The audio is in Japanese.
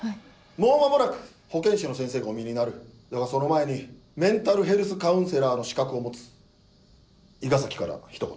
もう間もなく保健師の先生がおみえになるだがその前にメンタルヘルスカウンセラーの資格を持つ伊賀崎からひと言。